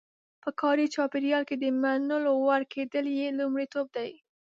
په کاري چاپېریال کې د منلو وړ کېدل یې لومړیتوب دی.